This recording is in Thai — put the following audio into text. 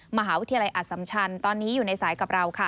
มหาวิทยาลัยอสัมชันตอนนี้อยู่ในสายกับเราค่ะ